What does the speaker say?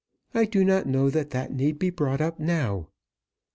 I do not know that that need be brought up now."